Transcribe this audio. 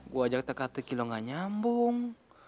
gue ajak teka teki lo gak nyambung